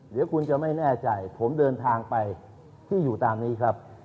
เดี๋ยวคุณจะไม่แน่ใจผมเดินทางไปที่อยู่ตามนี้ครับ